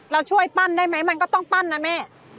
เราช่วยปั้นได้ไหมมันก็ต้องปั้นนะแม่